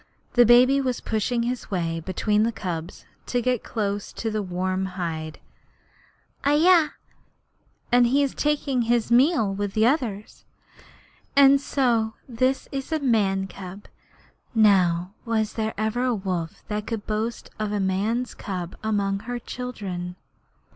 The baby was pushing his way between the cubs to get close to the warm hide. 'Ahai! He is taking his meal with the others. And so this is a man's cub. Now, was there ever a wolf that could boast of a man's cub among her children?'